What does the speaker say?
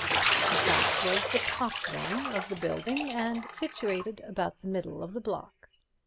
The flat was the top one of the building and situated about the middle of the block.